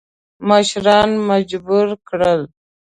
مشران مجبور کړل.